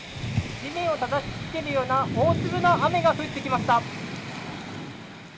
地面をたたきつけるような大粒の雨が降ってきました。